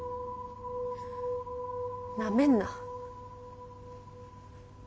なめんな。